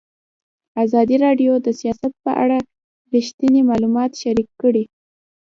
ازادي راډیو د سیاست په اړه رښتیني معلومات شریک کړي.